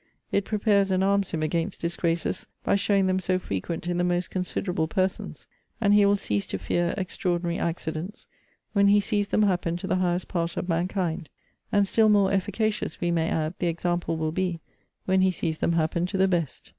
It prepares and arms him against disgraces, by showing them so frequent in the most considerable persons; and he will cease to fear extraordinary accidents, when he sees them happen to the highest part of mankind. And still more efficacious, we may add, the example will be, when he sees them happen to the best.